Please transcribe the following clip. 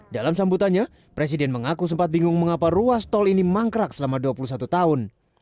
dalam sambutannya presiden mengaku sempat bingung mengapa ruas tol ini mangkrak selama dua puluh satu tahun